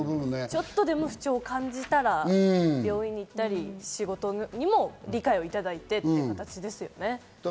少しでも不調感じたら病院行ったり仕事でも理解をいただいてということですね。